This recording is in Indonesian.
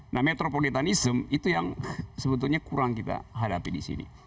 nah metropolitanism itu yang sebetulnya kurang kita hadapi di sini